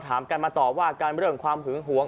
ถามกันมาต่อว่ากันเรื่องความหึงหวง